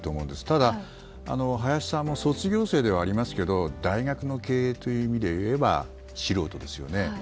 ただ、林さんも卒業生ではありますけど大学の経営という意味でいえば素人ですよね。